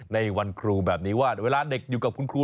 ในวันครูแบบนี้ว่าเวลาเด็กอยู่กับคุณครู